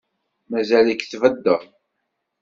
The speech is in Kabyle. Mazal-k tbeddeḍ?